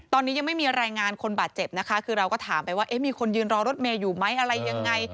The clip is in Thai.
ตอนนี้ยังไม่มีรายงานคนบาดเจ็บนะคะคือเราก็ถามไปว่ามีคนยืนรอรถเมย์อยู่ไหมอะไรยังไง